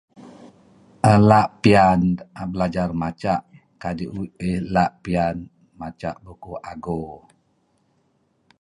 Ela' piyan belajar maca' kadi' uih la' piyan maca' bukuh ago.